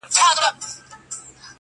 توري يا باتور وهي، يا ئې له غمه سور وهي.